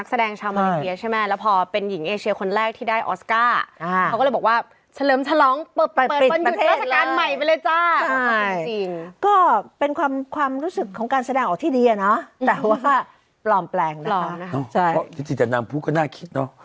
คือมิเชลโยเป็นชาวมาเลเซียไง